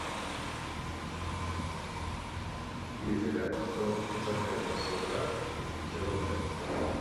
Ndizera ko nzongera gusura iki kibuga.